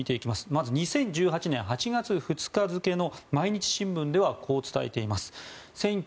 まず２０１８年８月２日付の毎日新聞ではこう伝えています。